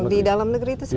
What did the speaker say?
di dalam negeri itu sendiri